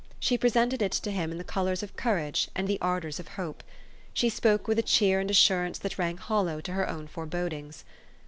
She presented it to him in the colors of courage and the ardors of hope. She spoke with a cheer and assurance that rang hollow to her own forebodings.